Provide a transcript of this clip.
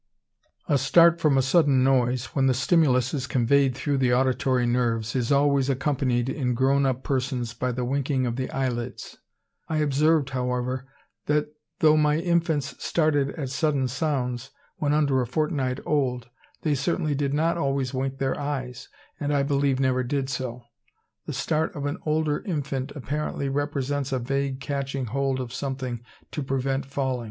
A start from a sudden noise, when the stimulus is conveyed through the auditory nerves, is always accompanied in grown up persons by the winking of the eyelids. I observed, however, that though my infants started at sudden sounds, when under a fortnight old, they certainly did not always wink their eyes, and I believe never did so. The start of an older infant apparently represents a vague catching hold of something to prevent falling.